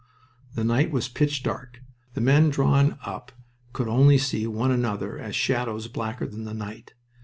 The night was pitch dark. The men drawn up could only see one another as shadows blacker than the night.